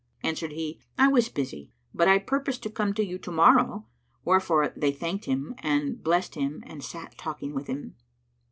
Answered he, "I was busy, but I purposed to come to you to morrow." Wherefore they thanked him and blessed him and sat talking with him.